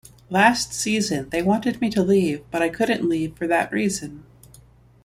Last season, they wanted me to leave but I couldn't leave for that reason.